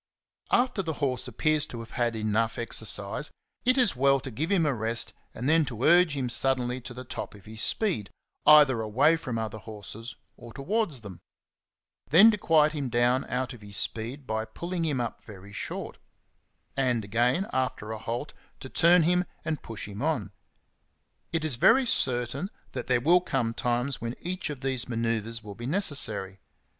After the horse appears to have had enough 44 XENOPHON ON HORSEMANSHIP. exercise, it is well to give him a rest and then to urge him suddenly to the top of his speed, either away from other horses or towards them; then to quiet him down out of his speed by pulling him up very short, and again, after a halt, to turn him and push him on. It is very certain that there will come times when each of these manoeuvres will be necessary.